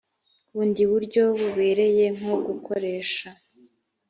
bundi buryo bubereye nko gukoresha